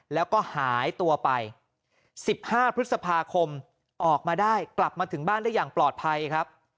แล้วก็หายตัวไป๑๕พฤษภาคมออกมาได้กลับมาถึงบ้านได้อย่างปลอดภัยครับ